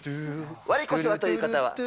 われこそはという方は、＃